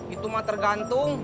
itu mah tergantung